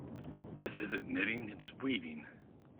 This isn't knitting, its weaving.